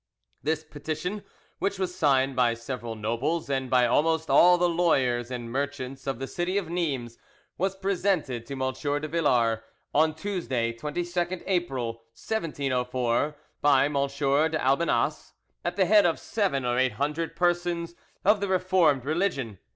This petition, which was signed by several nobles and by almost all the lawyers and merchants of the city of Nimes, was presented to M. de Villars on Tuesday, 22nd April, 1704, by M. de Albenas, at the head of seven or eight hundred persons of the Reformed religion.